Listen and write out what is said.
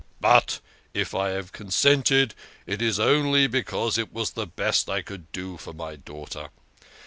But, if I have consented, it is only because it was the best I could do for my daughter.